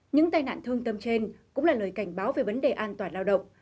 những tai nạn thương tâm trên cũng là lời cảnh báo về vấn đề an toàn lao động